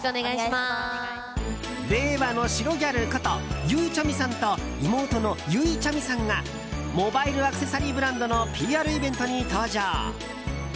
令和の白ギャルことゆうちゃみさんと妹のゆいちゃみさんがモバイルアクセサリーブランドのＰＲイベントに登場。